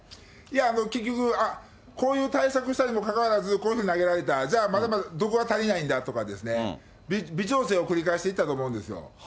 結局、こういう対策したにもかかわらず、こういうふうに投げられた、じゃあ、まだまだどこが足りないんだとかですね、微調整を繰り返していったと思うんですよ。